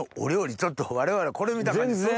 ちょっと我々これ見た感じ。